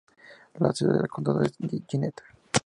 La sede del condado es Gillette.